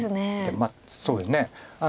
まあそうですね。